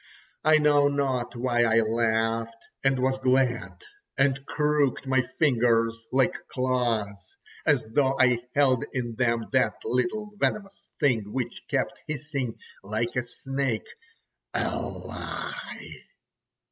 I know not why I laughed and was glad, and crooked my fingers like claws, as though I held in them that little venomous thing which kept hissing like a snake: a lie!